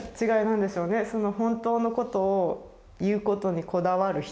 その本当のことを言うことにこだわる人。